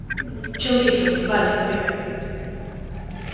Chumbizo, vale, moi ben.